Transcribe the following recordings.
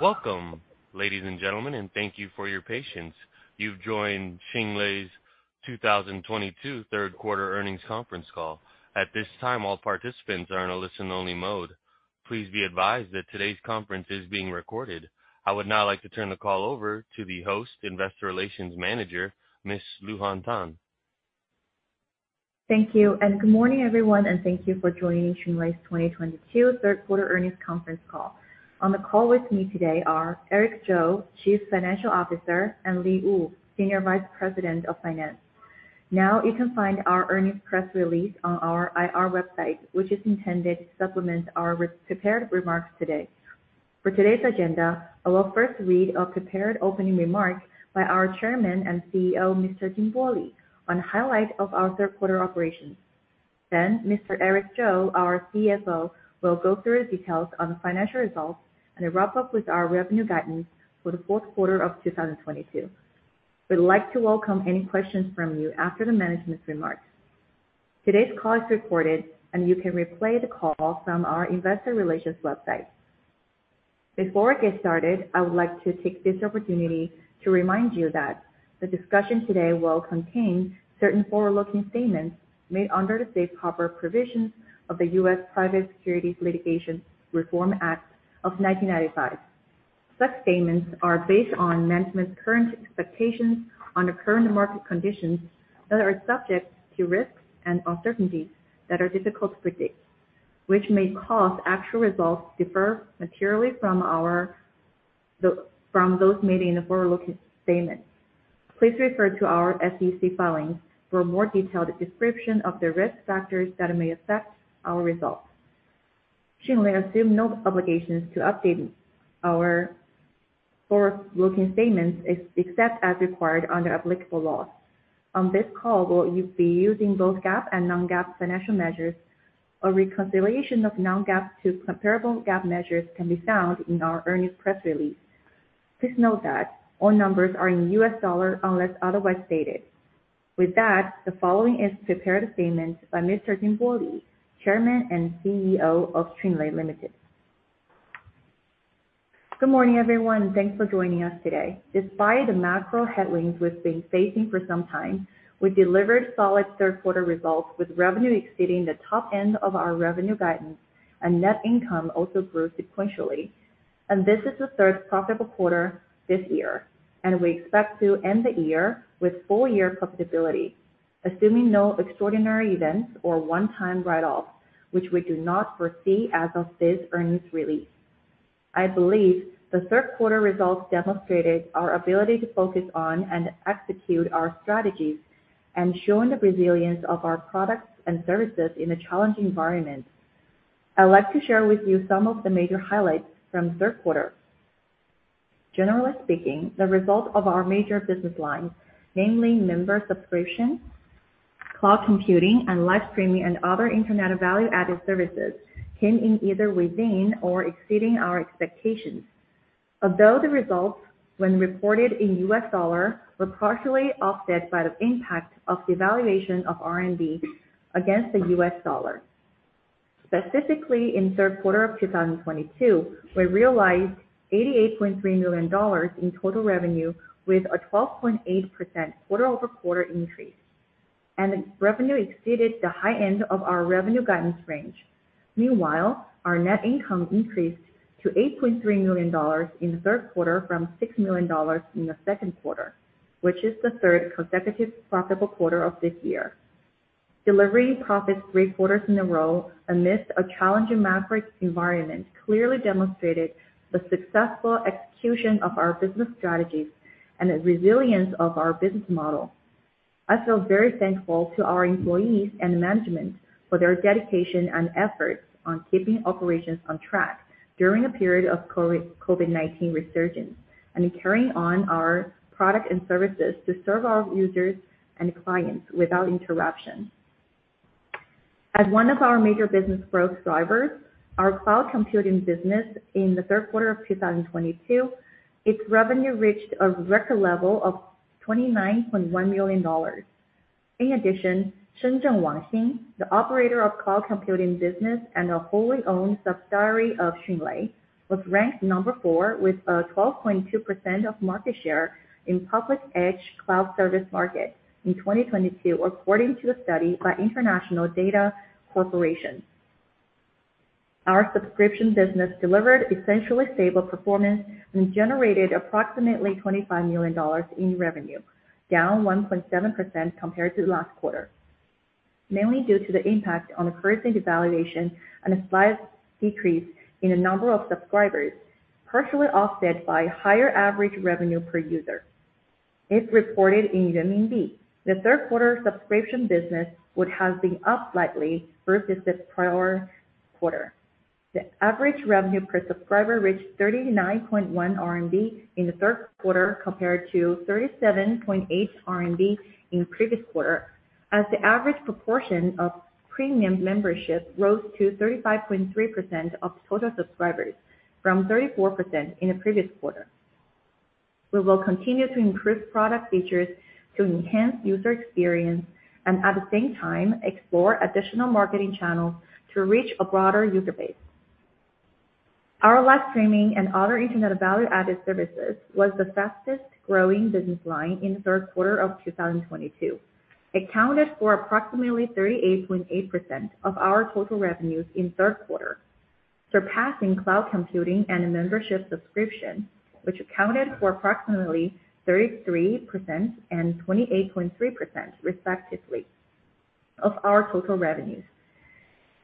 Welcome, ladies and gentlemen, and thank you for your patience. You've joined Xunlei's 2022 third quarter earnings conference call. At this time, all participants are in a listen-only mode. Please be advised that today's conference is being recorded. I would now like to turn the call over to the host Investor Relations Manager, Miss Luhan Tang. Thank you, and good morning, everyone, and thank you for joining Xunlei's 2022 third quarter earnings conference call. On the call with me today are Eric Zhou, Chief Financial Officer, and Li Li, Senior Vice President of Finance. Now you can find our earnings press release on our IR website, which is intended to supplement our prepared remarks today. For today's agenda, I will first read a prepared opening remarks by our chairman and CEO, Mr. Jinbo Li, on highlights of our third quarter operations. Then Mr. Eric Zhou, our CFO, will go through the details on the financial results and a wrap-up with our revenue guidance for the fourth quarter of 2022. We'd like to welcome any questions from you after the management's remarks. Today's call is recorded, and you can replay the call from our investor relations website. Before we get started, I would like to take this opportunity to remind you that the discussion today will contain certain forward-looking statements made under the safe harbor provisions of the U.S. Private Securities Litigation Reform Act of 1995. Such statements are based on management's current expectations under current market conditions that are subject to risks and uncertainties that are difficult to predict, which may cause actual results to differ materially from those made in the forward-looking statements. Please refer to our SEC filings for more detailed description of the risk factors that may affect our results. Xunlei assumes no obligation to update our forward-looking statements except as required under applicable laws. On this call, we'll be using both GAAP and non-GAAP financial measures. A reconciliation of non-GAAP to comparable GAAP measures can be found in our earnings press release. Please note that all numbers are in U.S. dollars unless otherwise stated. With that, the following is prepared statements by Mr. Jinbo Li, Chairman and CEO of Xunlei Limited.Good morning, everyone, and thanks for joining us today. Despite the macro headwinds we've been facing for some time, we delivered solid third quarter results with revenue exceeding the top end of our revenue guidance and net income also grew sequentially. This is the third profitable quarter this year, and we expect to end the year with full-year profitability, assuming no extraordinary events or one-time write-off, which we do not foresee as of this earnings release. I believe the third quarter results demonstrated our ability to focus on and execute our strategies and showing the resilience of our products and services in a challenging environment. I'd like to share with you some of the major highlights from third quarter. Generally speaking, the result of our major business lines, namely member subscription, cloud computing, and live streaming and other internet value-added services, came in either within or exceeding our expectations. Although the results when reported in US dollar were partially offset by the impact of the valuation of RMB against the US dollar. Specifically, in third quarter of 2022, we realized $88.3 million in total revenue with a 12.8% quarter-over-quarter increase, and revenue exceeded the high end of our revenue guidance range. Meanwhile, our net income increased to $8.3 million in the third quarter from $6 million in the second quarter, which is the third consecutive profitable quarter of this year. Delivering profits three quarters in a row amidst a challenging macro environment clearly demonstrated the successful execution of our business strategies and the resilience of our business model. I feel very thankful to our employees and management for their dedication and efforts on keeping operations on track during a period of COVID-19 resurgence and carrying on our product and services to serve our users and clients without interruption. As one of our major business growth drivers, our cloud computing business in the third quarter of 2022, its revenue reached a record level of $29.1 million. In addition, Shenzhen Wanxin, the operator of cloud computing business and a wholly owned subsidiary of Xunlei, was ranked number four with a 12.2% of market share in public edge cloud service market in 2022, according to a study by International Data Corporation. Our subscription business delivered essentially stable performance and generated approximately $25 million in revenue, down 1.7% compared to last quarter. Mainly due to the impact of currency devaluation and a slight decrease in the number of subscribers, partially offset by higher average revenue per user. If reported in renminbi, the third quarter subscription business would have been up slightly versus the prior quarter. The average revenue per subscriber reached 39.1 RMB in the third quarter compared to 37.8 RMB in the previous quarter, as the average proportion of premium membership rose to 35.3% of total subscribers from 34% in the previous quarter. We will continue to improve product features to enhance user experience and at the same time explore additional marketing channels to reach a broader user base. Our live streaming and other internet value-added services was the fastest growing business line in the third quarter of 2022. Accounted for approximately 38.8% of our total revenues in third quarter, surpassing cloud computing and membership subscription, which accounted for approximately 33% and 28.3%, respectively, of our total revenues.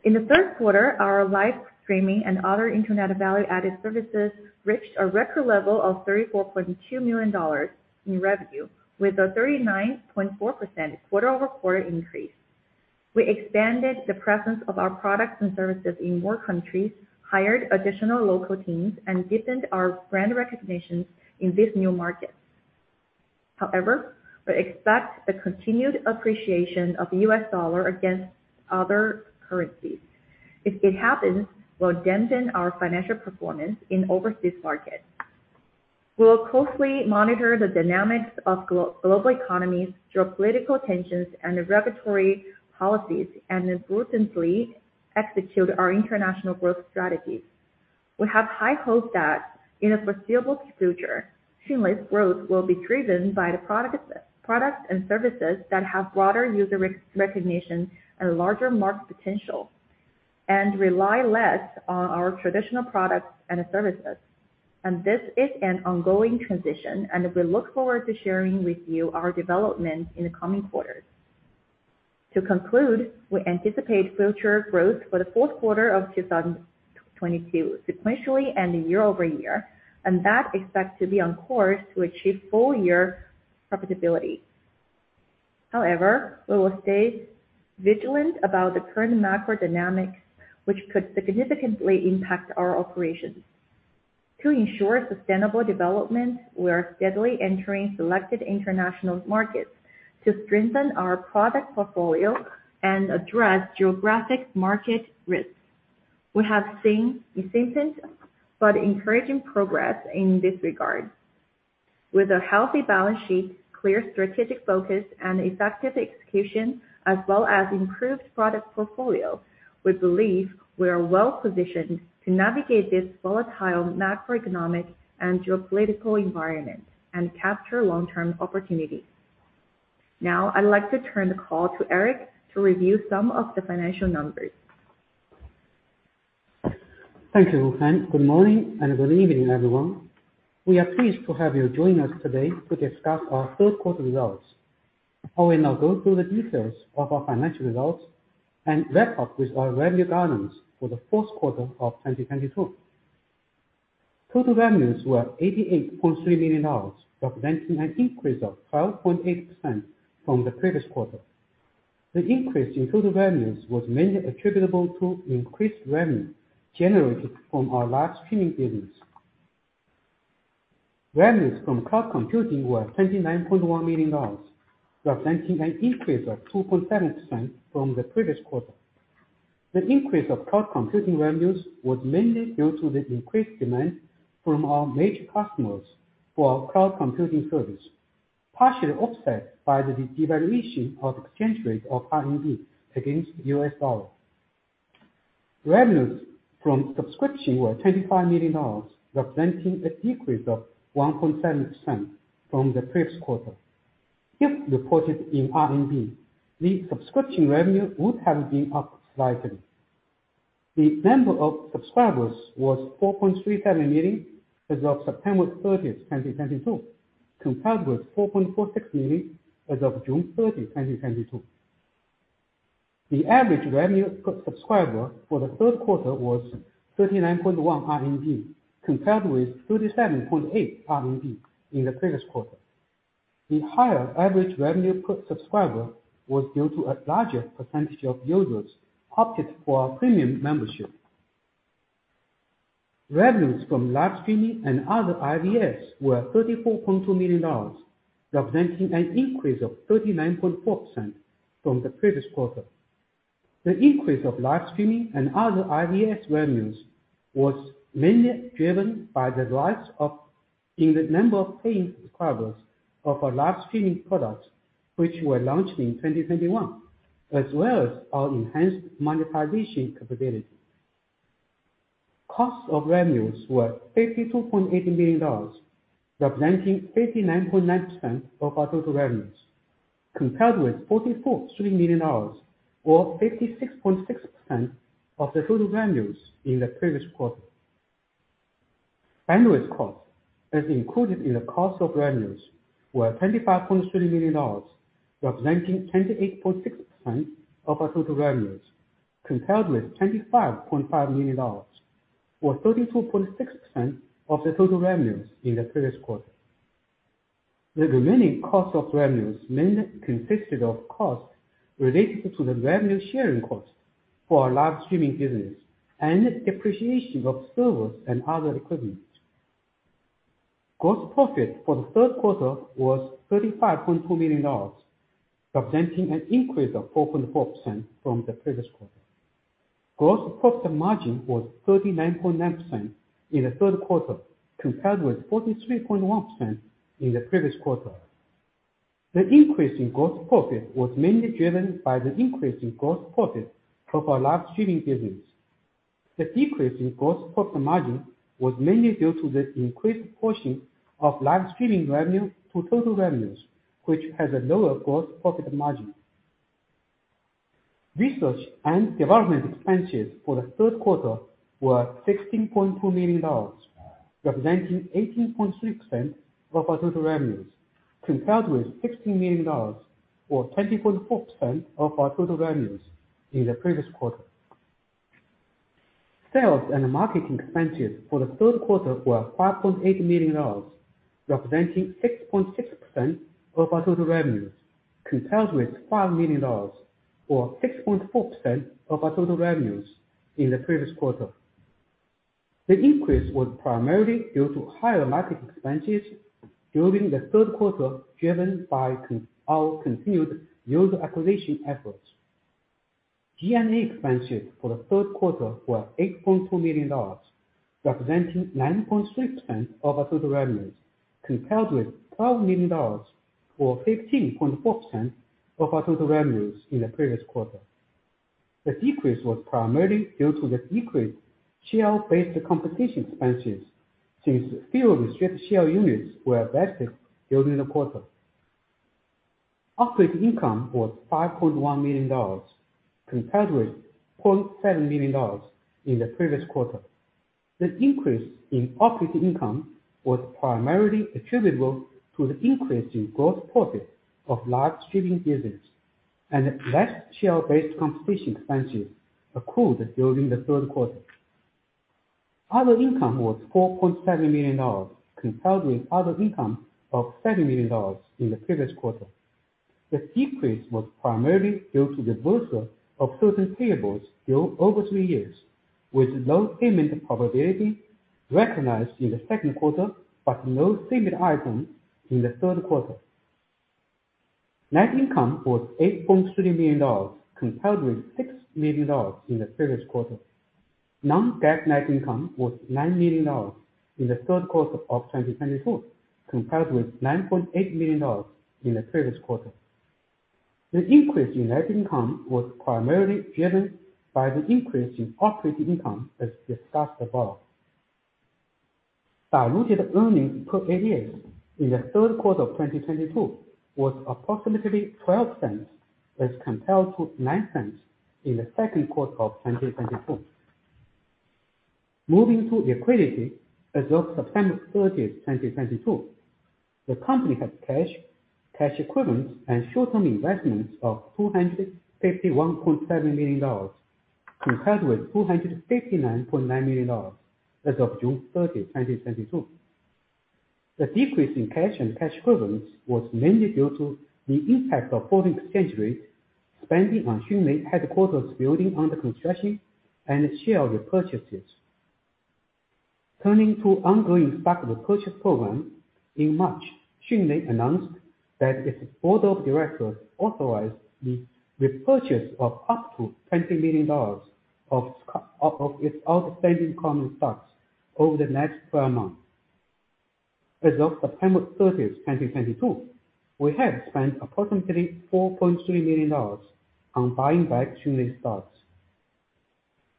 In the third quarter, our live streaming and other internet value-added services reached a record level of $34.2 million in revenue with a 39.4% quarter-over-quarter increase. We expanded the presence of our products and services in more countries, hired additional local teams and deepened our brand recognition in these new markets. However, we expect the continued appreciation of the U.S. dollar against other currencies. If it happens, will dampen our financial performance in overseas markets. We'll closely monitor the dynamics of global economies, geopolitical tensions, and regulatory policies, and importantly, execute our international growth strategies. We have high hopes that in the foreseeable future, seamless growth will be driven by products and services that have broader user recognition and larger market potential, and rely less on our traditional products and services. This is an ongoing transition, and we look forward to sharing with you our development in the coming quarters. To conclude, we anticipate future growth for the fourth quarter of 2022 sequentially and year-over-year, and that expects to be on course to achieve full year profitability. However, we will stay vigilant about the current macro dynamics, which could significantly impact our operations. To ensure sustainable development, we are steadily entering selected international markets to strengthen our product portfolio and address geographic market risks. We have seen recent but encouraging progress in this regard. With a healthy balance sheet, clear strategic focus and effective execution, as well as improved product portfolio, we believe we are well-positioned to navigate this volatile macroeconomic and geopolitical environment and capture long-term opportunities. Now I'd like to turn the call to Eric to review some of the financial numbers. Thank you, Luhan Tang. Good morning and good evening, everyone. We are pleased to have you join us today to discuss our third quarter results. I will now go through the details of our financial results and wrap up with our revenue guidance for the fourth quarter of 2022. Total revenues were $88.3 million, representing an increase of 12.8% from the previous quarter. The increase in total revenues was mainly attributable to increased revenue generated from our live streaming business. Revenues from cloud computing were $29.1 million, representing an increase of 2.7% from the previous quarter. The increase of cloud computing revenues was mainly due to the increased demand from our major customers for our cloud computing service, partially offset by the devaluation of exchange rate of RMB against U.S. dollar. Revenues from subscription were $25 million, representing a decrease of 1.7% from the previous quarter. If reported in RMB, the subscription revenue would have been up slightly. The number of subscribers was 4.37 million as of September 30, 2022, compared with 4.46 million as of June 30, 2022. The average revenue per subscriber for the third quarter was 39.1 RMB, compared with 37.8 RMB in the previous quarter. The higher average revenue per subscriber was due to a larger percentage of users opted for our premium membership. Revenues from live streaming and other IVAS were $34.2 million, representing an increase of 39.4% from the previous quarter. The increase of live streaming and other IVAS revenues was mainly driven by the rise in the number of paying subscribers of our live streaming products, which were launched in 2021, as well as our enhanced monetization capability. Cost of revenues were $52.8 million, representing 59.9% of our total revenues, compared with $44.3 million or 56.6% of the total revenues in the previous quarter. Bandwidth costs as included in the cost of revenues were $25.3 million, representing 28.6% of our total revenues, compared with $25.5 million or 32.6% of the total revenues in the previous quarter. The remaining cost of revenues mainly consisted of costs related to the revenue sharing costs for our live streaming business and depreciation of servers and other equipment. Gross profit for the third quarter was $35.2 million, representing an increase of 4.4% from the previous quarter. Gross profit margin was 39.9% in the third quarter, compared with 43.1% in the previous quarter. The increase in gross profit was mainly driven by the increase in gross profit from our live streaming business. The decrease in gross profit margin was mainly due to the increased portion of live streaming revenue to total revenues, which has a lower gross profit margin. Research and development expenses for the third quarter were $16.2 million, representing 18.6% of our total revenues, compared with $16 million or 20.4% of our total revenues in the previous quarter. Sales and marketing expenses for the third quarter were $5.8 million, representing 6.6% of our total revenues, compared with $5 million or 6.4% of our total revenues in the previous quarter. The increase was primarily due to higher marketing expenses during the third quarter, driven by our continued user acquisition efforts. G&A expenses for the third quarter were $8.2 million, representing 9.6% of our total revenues, compared with $12 million or 15.4% of our total revenues in the previous quarter. The decrease was primarily due to the decreased share-based compensation expenses, since fewer restricted share units were vested during the quarter. Operating income was $5.1 million compared with $0.7 million in the previous quarter. The increase in operating income was primarily attributable to the increase in gross profit of live streaming business and less share-based compensation expenses accrued during the third quarter. Other income was $4.7 million, compared with other income of $7 million in the previous quarter. The decrease was primarily due to the reversal of certain payables due over three years, with low payment probability recognized in the second quarter, but no similar item in the third quarter. Net income was $8.3 million, compared with $6 million in the previous quarter. Non-GAAP net income was $9 million in the third quarter of 2022, compared with $9.8 million in the previous quarter. The increase in net income was primarily driven by the increase in operating income, as discussed above. Diluted earnings per ADS in the third quarter of 2022 was approximately $0.12 as compared to $0.09 in the second quarter of 2022. Moving to liquidity as of September 30, 2022, the company had cash equivalents and short-term investments of $251.7 million, compared with $259.9 million as of June 30, 2022. The decrease in cash and cash equivalents was mainly due to the impact of foreign exchange rates, spending on Xunlei headquarters building under construction and share repurchases. Turning to ongoing stock repurchase program. In March, Xunlei announced that its board of directors authorized the repurchase of up to $20 million of its outstanding common stocks over the next 12 months. As of September 30, 2022, we have spent approximately $4.3 million on buying back Xunlei stocks.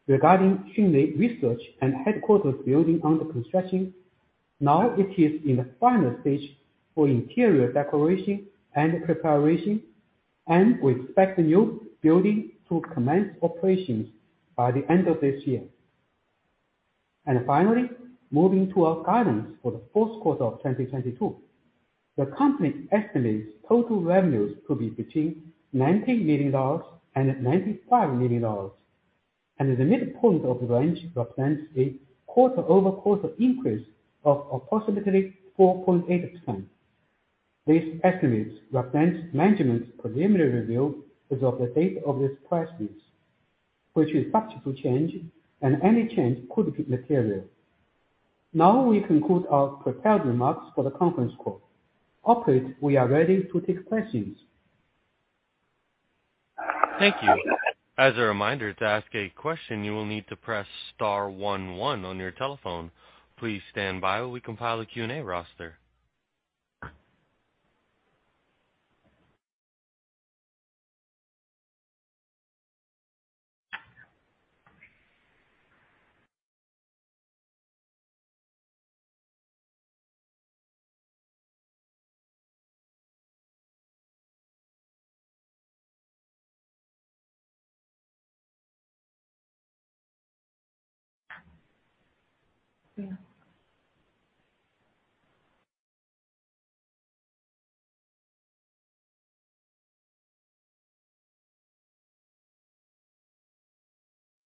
Regarding Xunlei research and headquarters building under construction, now it is in the final stage for interior decoration and preparation, and we expect the new building to commence operations by the end of this year. Finally, moving to our guidance for the fourth quarter of 2022. The company estimates total revenues to be between $90 million and $95 million, and the midpoint of the range represents a quarter-over-quarter increase of approximately 4.8%. These estimates represent management's preliminary review as of the date of this press release, which is subject to change, and any change could be material. Now we conclude our prepared remarks for the conference call. Operator, we are ready to take questions. Thank you. As a reminder, to ask a question, you will need to press star one one on your telephone. Please stand by while we compile a Q&A roster.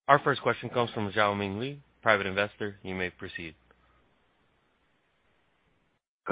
Our first question comes from Xiaoming Li, Private Investor. You may proceed. Uh, 那么这些可能会出现的CDN和这个边缘计算公司与公司的这个CDN业务是否有直接重叠？那么一个竞争关系是怎样的？那么咱们如果重叠的话，有怎么样一个应对的策略，是否会对未来的业绩产生一个比较大的影响。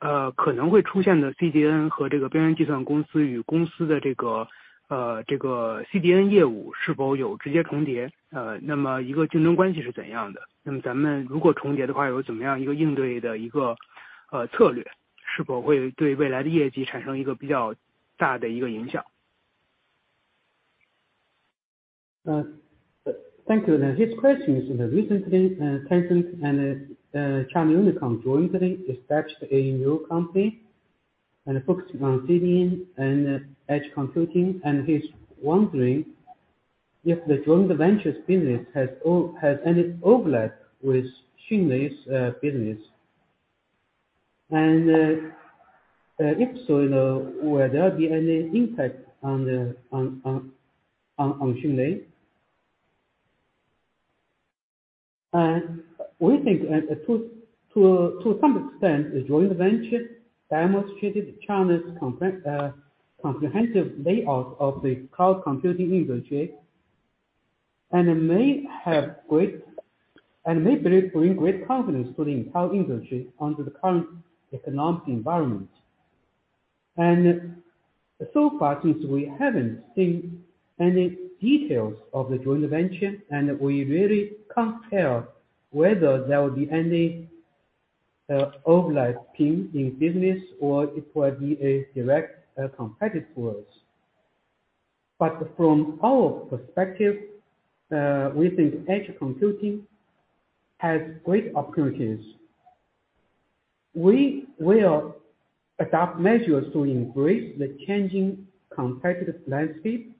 Thank you. His question is, recently, Tencent and China Unicom jointly established a new company and focusing on CDN and edge computing, and he's wondering if the joint venture business has any overlap with Xunlei's business. We think to some extent, the joint venture demonstrated China's comprehensive layout of the cloud computing industry, and it may bring great confidence to the entire industry under the current economic environment. So far since we haven't seen any details of the joint venture, and we really can't tell whether there will be any overlap in business, or it will be a direct competitor. From our perspective, we think edge computing has great opportunities. We will adopt measures to embrace the changing competitive landscape.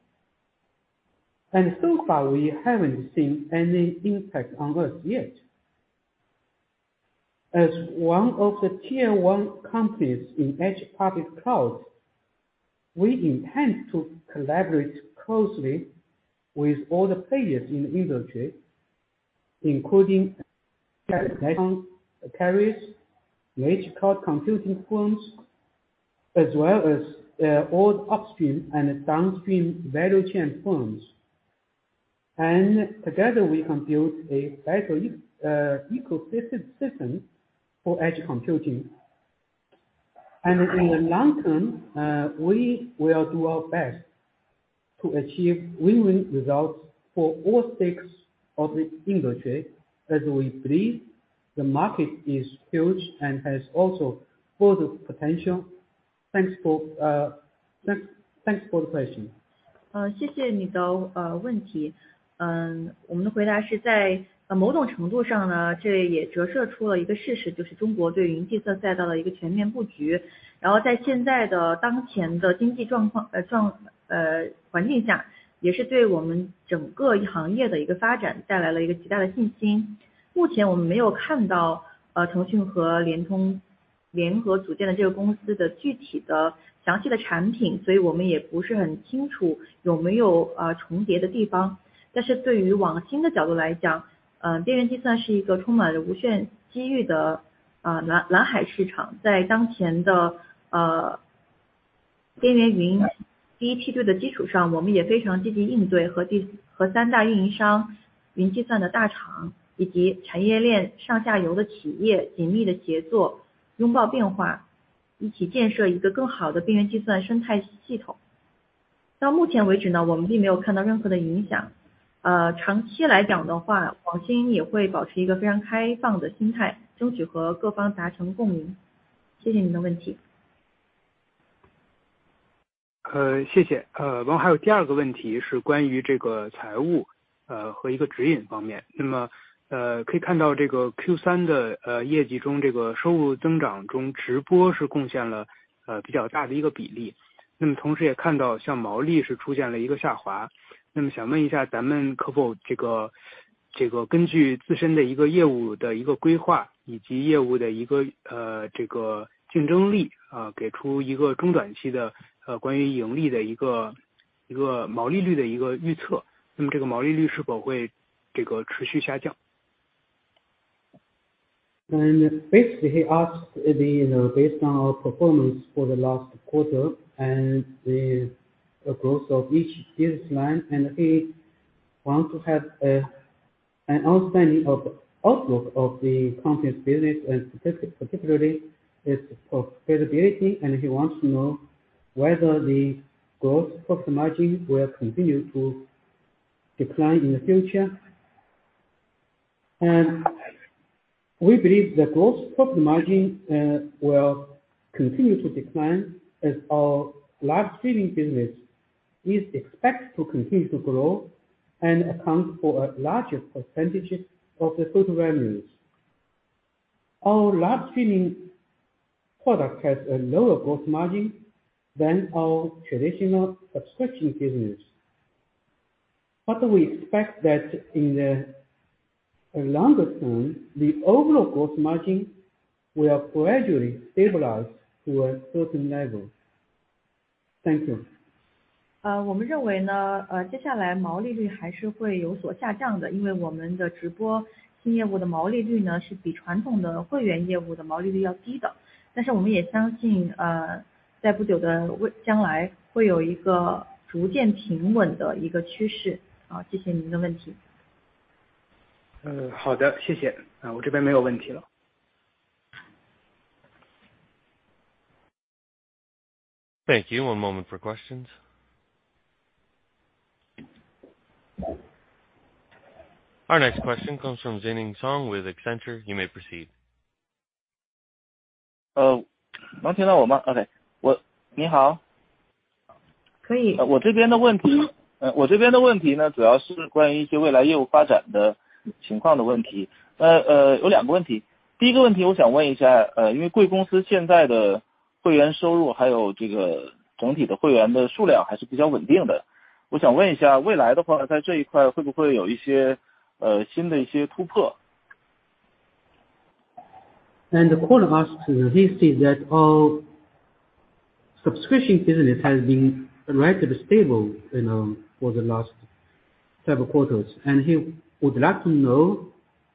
So far, we haven't seen any impact on us yet. As one of the tier one companies in edge public cloud, we intend to collaborate closely with all the players in the industry, including telecom carriers, large cloud computing firms, as well as, all upstream and downstream value chain firms. Together, we can build a better ecosystem for edge computing. In the long term, we will do our best to achieve win-win results for all stakes of the industry as we believe the market is huge and has also further potential. Thanks for the question. 谢谢。然后还有第二个问题是关于财务和指引方面。那么可以看到这个Q3的业绩中，收入增长中，直播是贡献了比较大的一个比例。那么同时也看到像毛利是出现了一个下滑。那么想问一下咱们是否根据自身的业务规划以及业务的竞争力，给出一个中短期的关于盈利的、毛利率的预测。那么这个毛利率是否会持续下降。Basically, he asked, you know, based on our performance for the last quarter and the growth of each business line, and he wants to have an understanding of the outlook of the company's business and particularly its profitability. He wants to know whether the gross profit margin will continue to decline in the future. We believe the gross profit margin will continue to decline as our live streaming business is expected to continue to grow and account for a larger percentage of the total revenues. Our live streaming product has a lower gross margin than our traditional subscription business. We expect that in the longer term, the overall gross margin will gradually stabilize to a certain level. Thank you. 我们认为，接下来毛利率还是会有所下降的，因为我们的直播新业务的毛利率，是比传统的会员业务的毛利率要低的。但是我们也相信，在不久的将来会有一个逐渐平稳的趋势。谢谢您的问题。好的，谢谢。我这边没有问题了。Thank you. One moment for questions. Our next question comes from Zening Song with Accenture. You may proceed. 能听到我吗？OK。你好。可以。我这边的问题，主要是关于一些未来业务发展的情况的问题。有两个问题。第一个问题我想问一下，因为贵公司现在的会员收入，还有这个总体的会员的数量还是比较稳定的。我想问一下未来的话，在这一块会不会有一些新的一些突破。The caller asked, he said that our subscription business has been relatively stable, you know, for the last several quarters, and he would like to know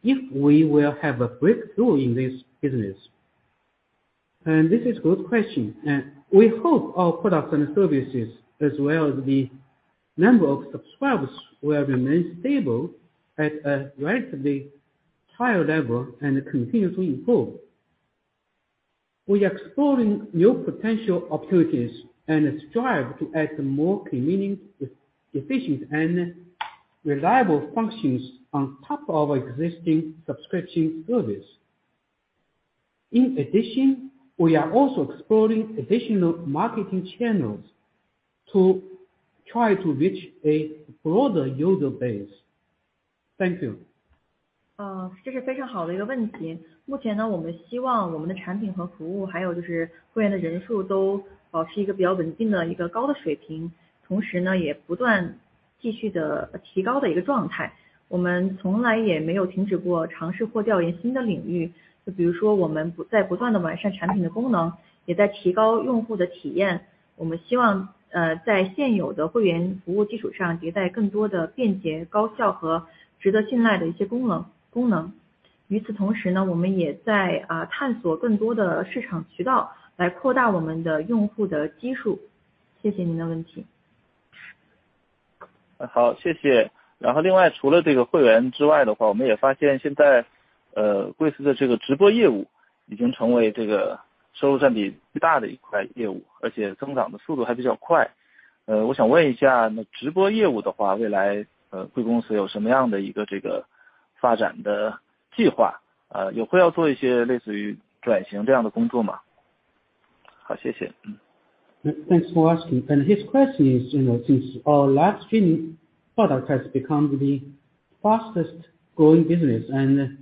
if we will have a breakthrough in this business. This is good question, and we hope our products and services, as well as the number of subscribers will remain stable at a relatively higher level and continuously improve. We are exploring new potential opportunities and strive to add more convenient, efficient, and reliable functions on top of existing subscription service. In addition, we are also exploring additional marketing channels to try to reach a broader user base. Thank you. 这是非常好的一个问题。目前呢，我们希望我们的产品和服务，还有就是会员的人数都保持一个比较稳定的、高的水平，同时也不断继续提高。我们从来也没有停止过尝试或调研新的领域。就比如说，我们不断地完善产品的功能，也在提高用户的体验。我们希望在现有的会员服务基础上，携带更多的便捷、高效和值得信赖的一些功能。与此同时呢，我们也在探索更多的市场渠道来扩大我们的用户的基数。谢谢您的问题。好，谢谢。然后另外除了这个会员之外的话，我们也发现现在贵司的这个直播业务已经成为这个收入占比最大的一块业务，而且增长的速度还比较快。我想问一下，那直播业务的话，未来贵公司有什么样的一个这个发展的计划，也会要做一些类似于转型这样的工作吗？好，谢谢。Thanks for asking. His question is, you know, since our live streaming product has become the fastest growing business and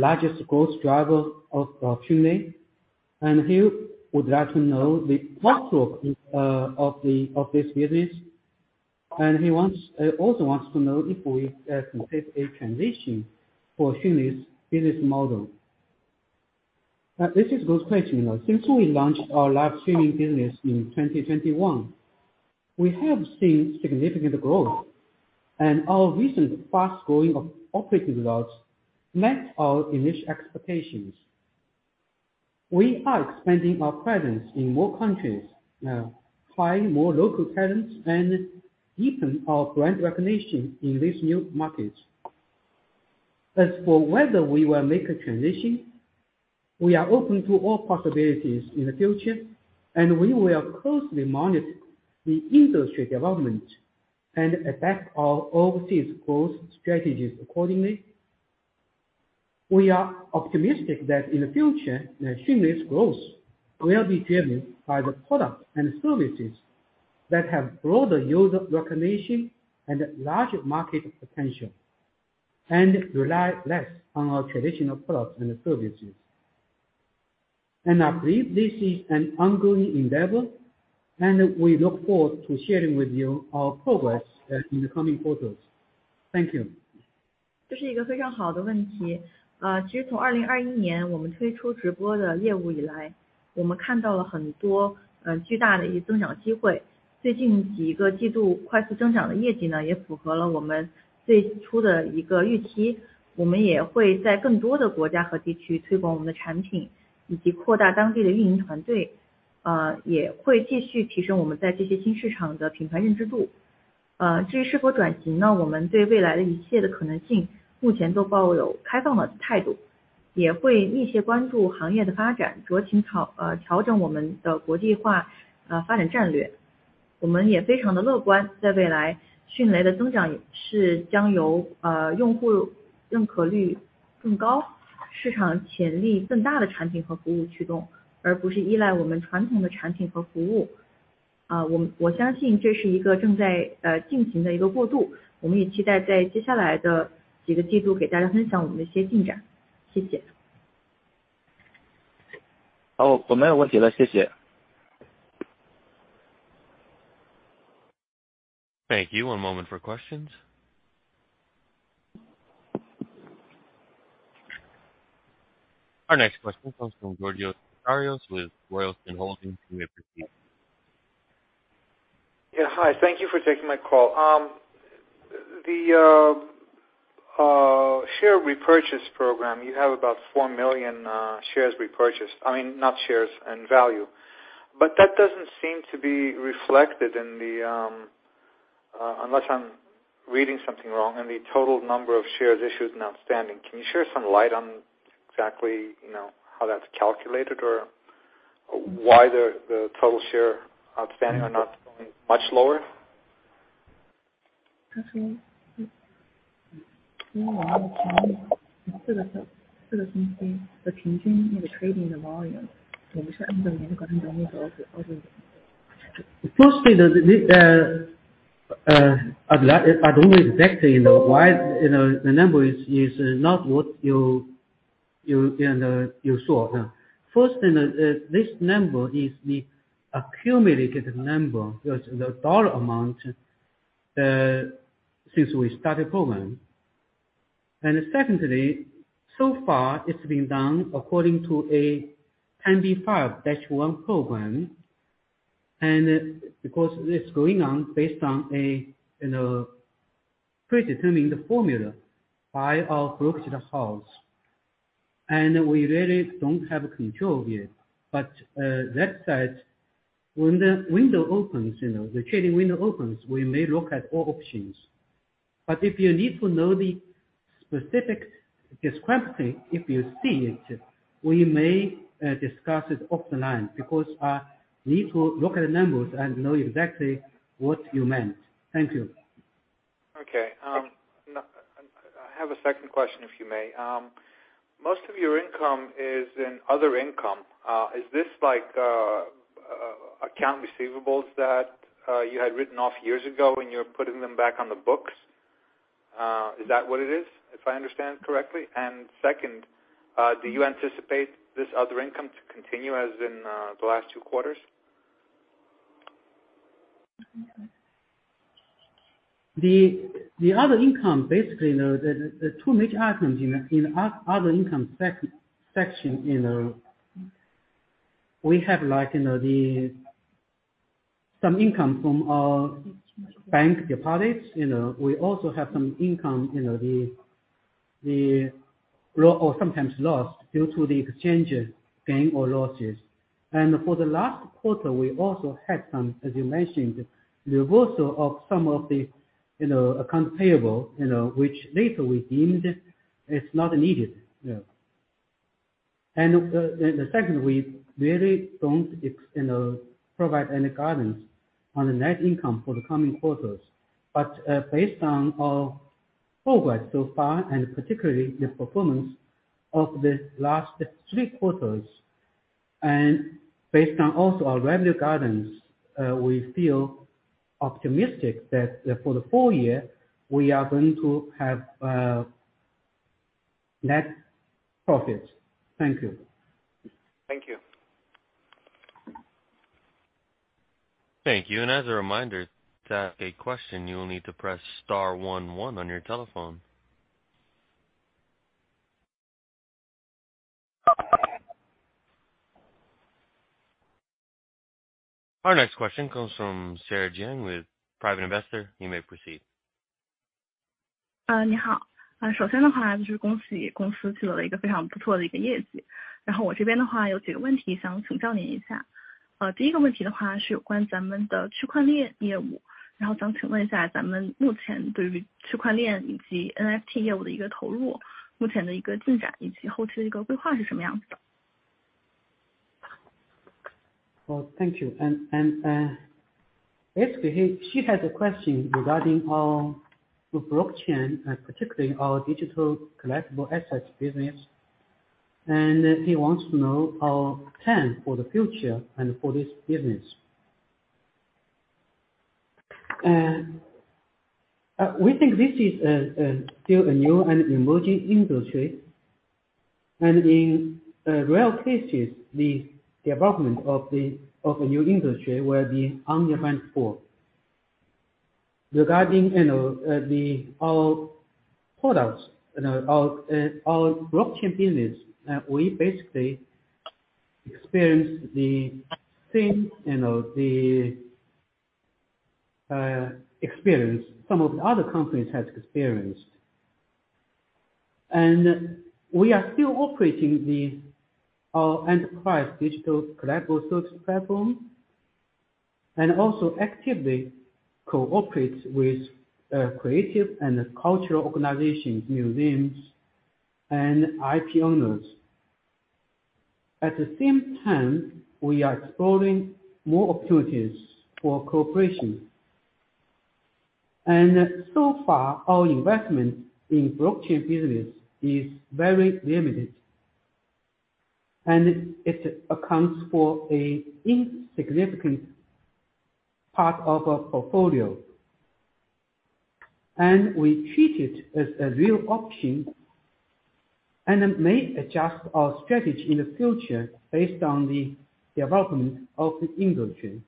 largest growth driver of Xunlei, and he would like to know the possibility of this business, and he also wants to know if we can make a transition for Xunlei's business model. This is good question. You know, since we launched our live streaming business in 2021, we have seen significant growth. Our recent fast-growing operating results met our initial expectations. We are expanding our presence in more countries, hiring more local talents, and deepen our brand recognition in these new markets. As for whether we will make a transition, we are open to all possibilities in the future, and we will closely monitor the industry development and adapt our overseas growth strategies accordingly. We are optimistic that in the future, Xunlei's growth will be driven by the products and services that have broader user recognition and larger market potential, and rely less on our traditional products and services. I believe this is an ongoing endeavor and we look forward to sharing with you our progress in the coming quarters. Thank you. 好，我没有问题了。谢谢。Thank you. One moment for questions. Our next question comes from Giorgio Leontios with Royalton Holdings. You may proceed. Yeah. Hi. Thank you for taking my call. The share repurchase program, you have about 4 million shares repurchased. I mean, not shares and value, but that doesn't seem to be reflected in the, unless I'm reading something wrong in the total number of shares issued and outstanding, can you shed some light on exactly, you know, how that's calculated or why the total shares outstanding are not going much lower? First, I don't exactly know why, you know, the number is not what you know you saw. This number is the accumulated number because the dollar amount since we started program. Secondly, so far it's been done according to a 10b5-1 program. Because it's going on based on a, you know, predetermined formula by our brokerage house. We really don't have control of it. That said, when the window opens, you know, the trading window opens, we may look at all options. If you need to know the specific discrepancy, if you see it, we may discuss it offline because we need to look at the numbers and know exactly what you meant. Thank you. Okay. I have a second question, if you may. Most of your income is in other income. Is this like accounts receivable that you had written off years ago, and you're putting them back on the books? Is that what it is, if I understand correctly? Second, do you anticipate this other income to continue as in the last two quarters? The other income, basically, you know, the two major items in other income section, you know, we have, like, you know, some income from bank deposits. You know, we also have some income, you know, or sometimes loss due to the exchange gains or losses. For the last quarter, we also had some, as you mentioned, reversal of some of the, you know, accounts payable, you know, which later we deemed is not needed. Yeah. The second, we really don't, you know, provide any guidance on the net income for the coming quarters. Based on our progress so far, and particularly the performance of the last three quarters, and based on also our revenue guidance, we feel optimistic that for the full year we are going to have net profits. Thank you. Thank you. Thank you. As a reminder, to ask a question you will need to press star one one on your telephone. Our next question comes from Sarah Jiang with Private Investor. You may proceed. Hello. Well, thank you. Basically she has a question regarding our blockchain, particularly our digital collectible assets business, and she wants to know our plan for the future and for this business. We think this is still a new and emerging industry. In rare cases, the development of a new industry will be unpredictable. Regarding, you know, our products and our blockchain business, we basically experienced the same, you know, experience some of the other companies has experienced. We are still operating our enterprise digital collectible service platform, and also actively cooperate with creative and cultural organizations, museums and IP owners. At the same time, we are exploring more opportunities for cooperation. So far, our investment in blockchain business is very limited, and it accounts for an insignificant part of our portfolio. We treat it as a real option, and we may adjust our strategy in the future based on the development of the industry.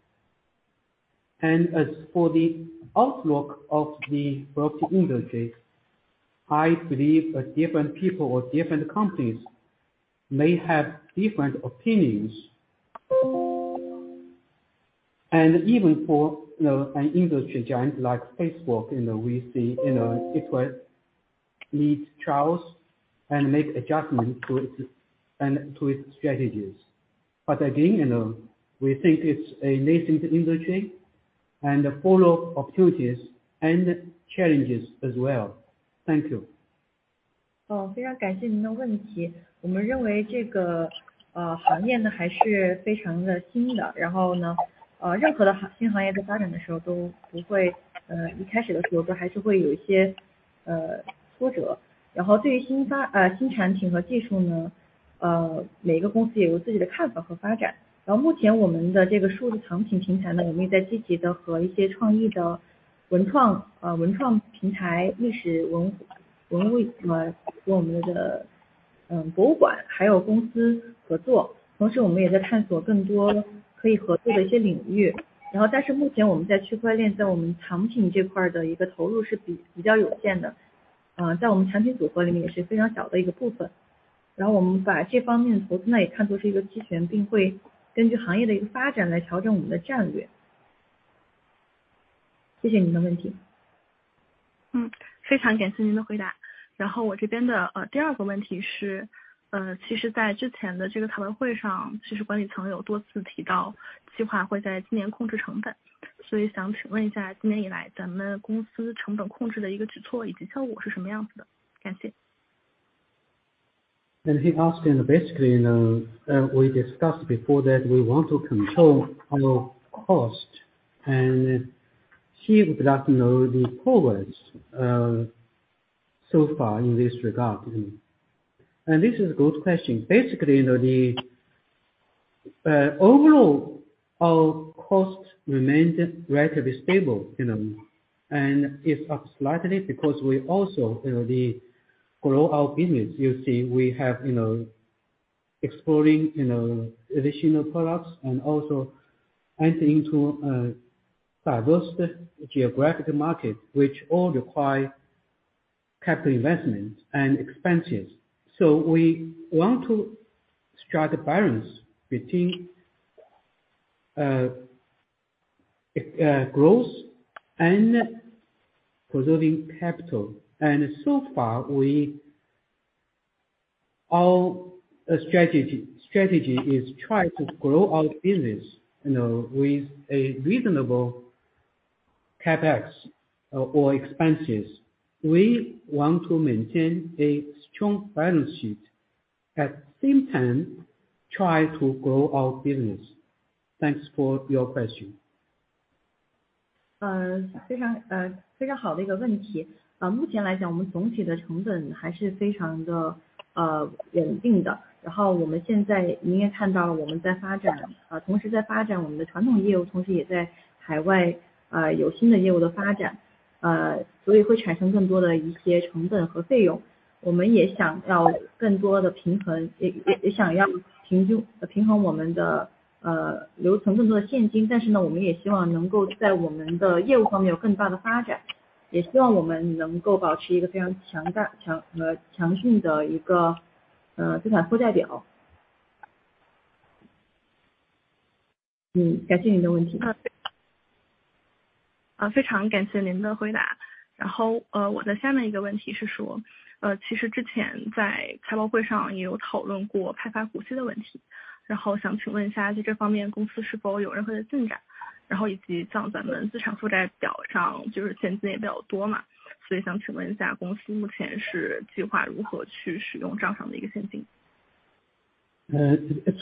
As for the outlook of the blockchain industry, I believe different people or different companies may have different opinions. Even for, you know, an industry giant like Facebook, you know, we see, you know, it was needing trials and making adjustments to it and to its strategies. Again, you know, we think it's a nascent industry and full of opportunities and challenges as well. Thank you. He asked, you know, basically, we discussed before that we want to control our cost and he would like to know the progress so far in this regard. This is a good question. Basically, you know, overall our cost remained relatively stable, you know, and it's up slightly because we also, you know, to grow our business. You see we have, you know, exploring, you know, additional products and also entering into a diverse geographic market, which all require capital investment and expenses. We want to strike a balance between growth and preserving capital. So far our strategy is to try to grow our business, you know, with a reasonable CapEx or expenses. We want to maintain a strong balance sheet, at the same time try to grow our business. Thanks for your question. It's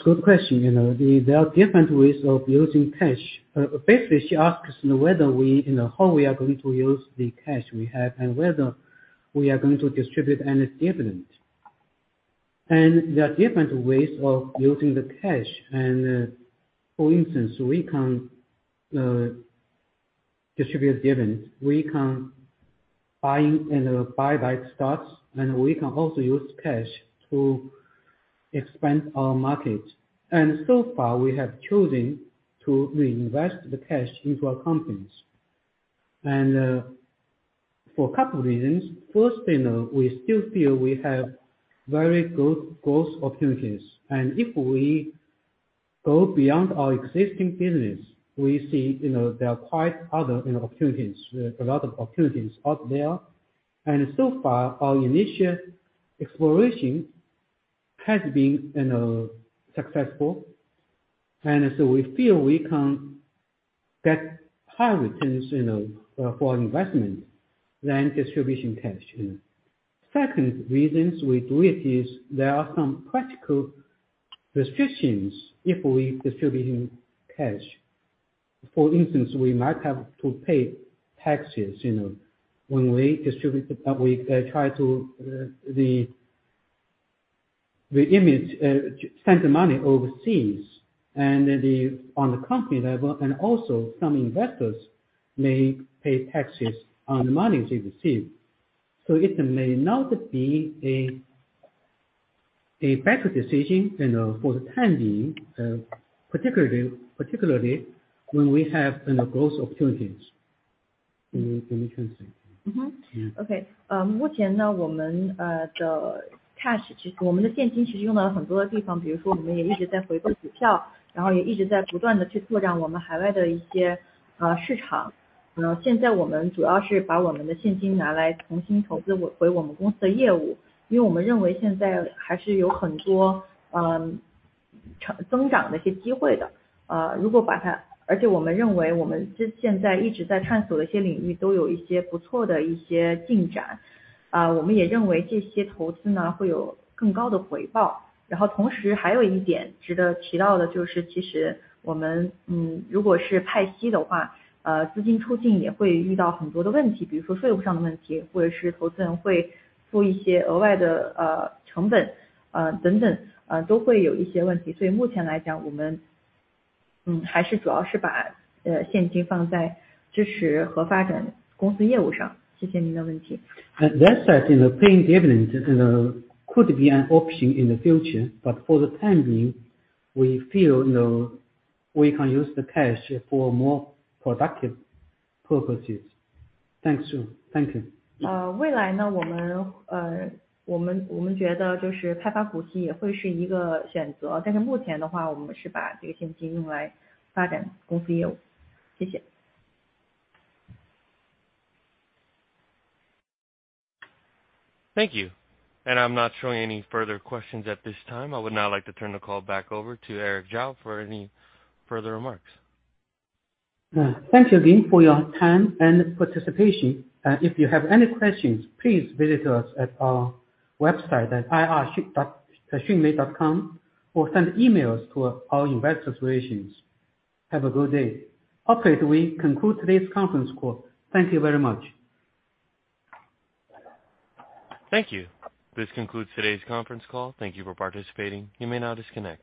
a good question, you know, there are different ways of using cash. Basically she asked, you know, whether we, you know, how we are going to use the cash we have and whether we are going to distribute any dividend. There are different ways of using the cash. For instance, we can distribute dividends, we can buy back stocks, and we can also use cash to expand our market. So far we have chosen to reinvest the cash into our companies. For a couple reasons. First, you know, we still feel we have very good growth opportunities. If we go beyond our existing business, we see, you know, there are quite other, you know, opportunities, a lot of opportunities out there. So far our initial exploration has been, you know, successful. So we feel we can get higher returns, you know, for investment than distribution cash. Second reasons we do it is there are some practical restrictions if we distributing cash. For instance, we might have to pay taxes, you know, when we distribute to the public, transfer the money overseas and on the company level. Also some investors may pay taxes on the money they receive. It may not be a better decision, you know, for the time being, particularly when we have, you know, growth opportunities. Let me translate. 目前我们的cash，其实我们的现金其实用在很多的地方，比如说我们也一直在回购股票，然后也一直在不断地去拓展我们海外的一些市场。现在我们主要是把我们的现金拿来重新投资回我们公司的业务，因为我们认为现在还是有很多增长的一些机会的。而且我们认为我们现在一直在探索的一些领域都有一些不错的一些进展，我们也认为这些投资呢，会有更高的回报。同时还有一点值得提到的就是其实我们，如果是派息的话，资金出境也会遇到很多的问题，比如说税务上的问题，或者是投资人会付一些额外的成本，等等，都会有一些问题。所以目前来讲，我们还是主要是把现金放在支持和发展公司业务上。谢谢您的问题。That's that on paying dividends. It could be an option in the future, but for the time being, we feel you know we can use the cash for more productive purposes. Thank you, thank you. 未来，我们觉得就是派发股息也会是一个选择，但是目前的话我们是把这个现金用来发展公司业务，谢谢。Thank you. I'm not showing any further questions at this time. I would now like to turn the call back over to Eric Zhou for any further remarks. Thank you again for your time and participation. If you have any questions, please visit us at our website at ir.xunlei.com or send emails to our investor relations. Have a good day. Okay, we conclude today's conference call. Thank you very much. Thank you. This concludes today's conference call. Thank you for participating. You may now disconnect.